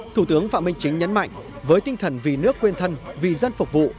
thủ tướng phạm minh chính nhấn mạnh với tinh thần vì nước quên thân vì dân phục vụ